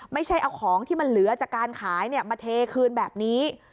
ไม่ใช่เอาของที่มันเหลือจากการขายมาเทคืนแบบนี้